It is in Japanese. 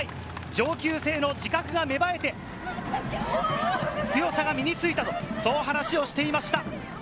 上級生の自覚が芽生えて、強さが身に付いていると、そう話をしていました。